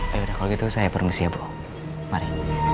ayodah kalau gitu saya permisi ya bu mari